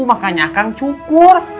makanya akang cukur